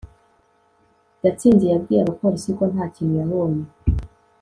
gatsinzi yabwiye abapolisi ko nta kintu yabonye